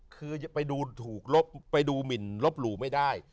คือที่ไปดูหลบลูกไม่ได้